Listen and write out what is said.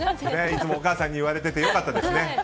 いつもお母さんに言われててよかったですね。